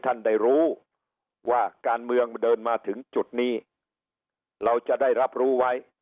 ท่านได้รู้ว่าการเมืองเดินมาถึงจุดนี้เราจะได้รับรู้ไว้